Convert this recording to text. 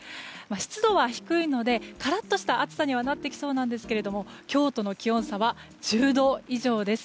湿度は低いのでカラッとした暑さにはなってきそうですが今日との気温差は１０度以上です。